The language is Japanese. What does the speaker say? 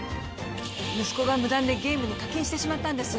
息子が無断でゲームに課金してしまったんです